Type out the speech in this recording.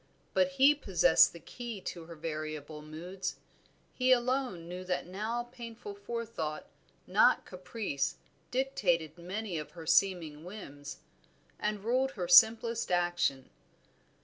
But he possessed the key to her variable moods; he alone knew that now painful forethought, not caprice dictated many of her seeming whims, and ruled her simplest action.